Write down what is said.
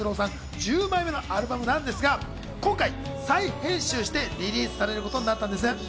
１０年前のアルバムなんですが今回再編集してリリースされることになったんです。